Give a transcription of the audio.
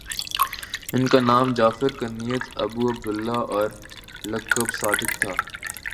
ان کا نام جعفر کنیت ابو عبد اللہ اور لقب صادق تھا